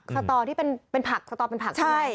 สตอที่เป็นผักสตอเป็นผักใช่